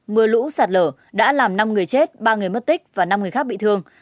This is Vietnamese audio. mưa lũ sạt lở đã làm năm người chết ba người mất tích và năm người khác bị thương